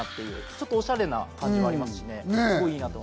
ちょっとおしゃれな感じがありますよね、すごくいい。